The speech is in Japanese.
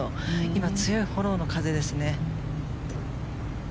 今、強いフォローの風ですね。